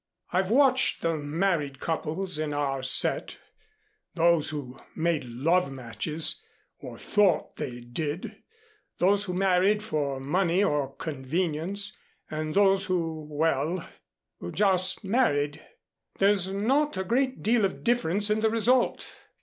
"I've watched the married couples in our set those who made love matches or thought they did, those who married for money or convenience, and those who well who just married. There's not a great deal of difference in the result.